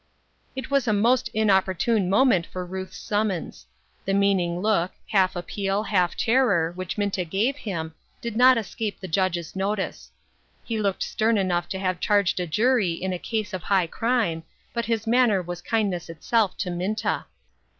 It was a most inopportune moment for Ruth's summons. The meaning look — half appeal, half terror — which Minta gave him, did not escape the Judge's notice. He looked stern enough to have charged a jury in a case of high crime, but his manner was kindness itself to Minta.